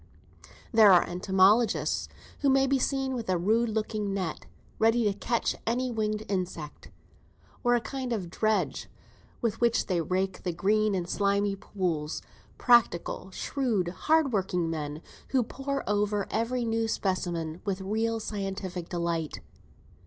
There are entomologists, who may be seen with a rude looking net, ready to catch any winged insect, or a kind of dredge, with which they rake the green and slimy pools; practical, shrewd, hard working men, who pore over every new specimen with real scientific delight.